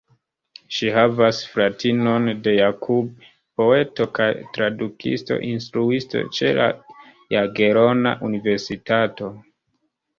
Ŝi havas fratinon de Jakub, poeto kaj tradukisto, instruisto ĉe la Jagelona Universitato.